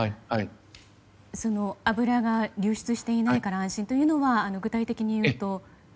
油が流出していないから安心というのは具体的に言うと。